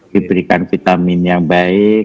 diberikan vitamin yang baik